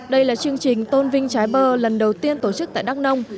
đây là chương trình tôn vinh trái bơ lần đầu tiên tổ chức tại đắk nông